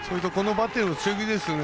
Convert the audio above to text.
バッテリーも強気ですよね。